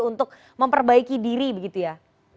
untuk memperbaiki diri begitu ya